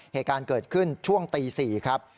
เหตุการณ์เกิดขึ้นช่วงตี๔ครับ